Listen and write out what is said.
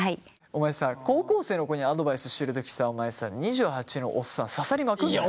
お前さ高校生の子にアドバイスしてるときさお前さ２８のおっさん刺さりまくるなよ。